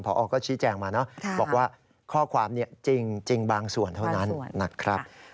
พอก็ชี้แจงมาเนอะบอกว่าข้อความจริงบางส่วนเท่านั้นนะครับ